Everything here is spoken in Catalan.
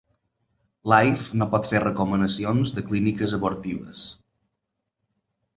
Life no pot fer recomanacions de clíniques abortives.